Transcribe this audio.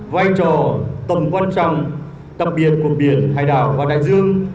quan trọng tầm quan trọng đặc biệt của biển hải đảo và đại dương